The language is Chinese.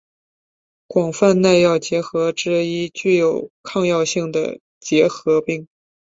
广泛耐药结核之一具有抗药性的结核病。